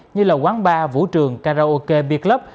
như là quán bar vũ trường karaoke bia club